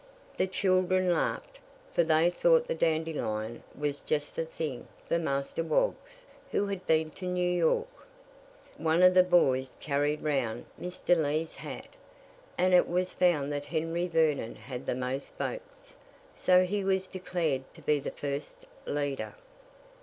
The children laughed, for they thought the dandelion was just the thing for Master Woggs, who had been to New York. One of the boys carried round Mr. Lee's hat, and it was found that Henry Vernon had the most votes; so he was declared to be the first leader.